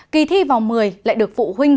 kỳ thi vào một mươi lại được phụ huynh